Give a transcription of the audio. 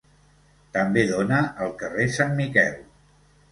També dóna al carrer Sant Miquel.